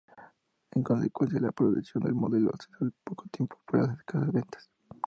En consecuencia, la producción del modelo cesó al poco tiempo por las escasas ventas.